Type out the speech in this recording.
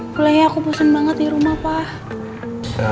boleh ya aku bosen banget di rumah pak